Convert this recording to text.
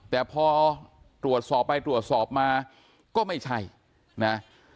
แต่พอตรวจสอบไปตรวจสอบมาก็ไม่ใช่นะ